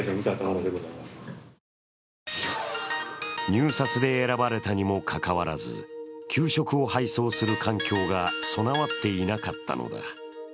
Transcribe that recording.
入札で選ばれたにもかかわらず給食を配送する環境が備わっていなかったのだ。